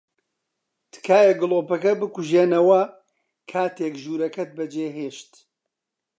تکایە گڵۆپەکە بکوژێنەوە کاتێک ژوورەکەت بەجێھێشت.